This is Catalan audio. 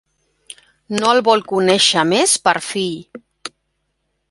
No el vol conèixer més per fill.